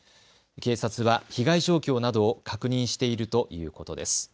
警察は被害状況などを確認しているということです。